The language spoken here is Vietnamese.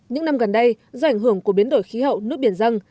những năm gần đây do ảnh hưởng của biến đổi khí hậu nước biển răng